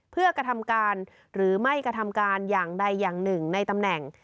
เพื่อกระทำการหรือไม่กระทำการอย่างใดอย่างหนึ่งในตำแหน่ง